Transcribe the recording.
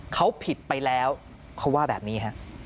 เขาผิดไปแล้วเขาว่าแบบนี้ฮะ